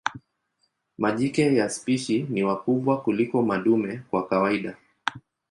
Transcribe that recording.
Majike ya spishi ni wakubwa kuliko madume kwa kawaida.